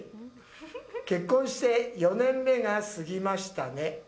「結婚して４年目が過ぎましたね。